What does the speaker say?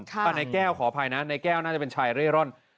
นายแก้วขออภัยนะในแก้วน่าจะเป็นชายเร่ร่อน